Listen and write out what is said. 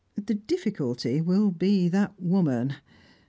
The difficulty will be that woman.